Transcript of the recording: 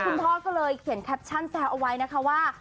พ่อก็เลยเขียนแคปชั่นแซวเอาไว้นะคะว่า